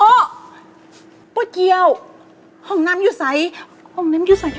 ป้าเจียวห้องน้ำอยู่ใสห้องน้ำอยู่ใส